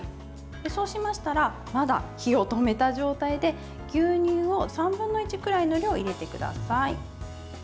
そうしましたらまだ火を止めた状態で牛乳を３分の１くらいの量を入れてください。